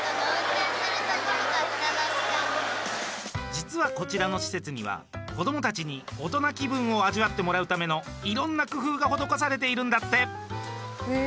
実はこちらの施設には子どもたちに大人気分を味わってもらうためのいろんな工夫が施されているんだって。